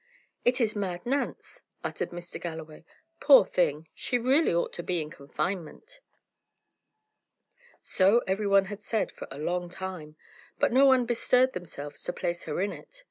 "It is Mad Nance!" uttered Mr. Galloway. "Poor thing! she really ought to be in confinement." So every one had said for a long time, but no one bestirred themselves to place her in it.